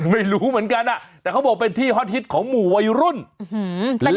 ไม่รู้เหมือนกันอ่ะแต่เขาบอกเป็นที่ฮอตฮิตของหมู่วัยรุ่น